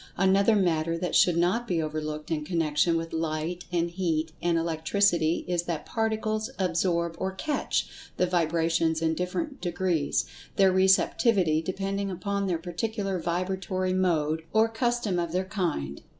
Another matter that should not be overlooked in connection with Light and Heat and Electricity is that Particles absorb or "catch" the vibrations in different degrees, their receptivity depending upon their particular vibratory mode, or "custom of their kind."